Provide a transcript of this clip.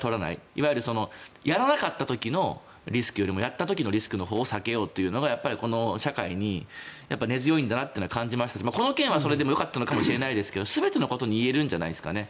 いわゆるやらなかった時のリスクよりもやった時のリスクのほうを避けようというのが、この社会に根強いんだなというのは感じましたしこの件はそれでもよかったのかもしれないけど全てのことに言えるんじゃないですかね。